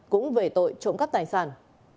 cũng về tội trộm cắp tài sản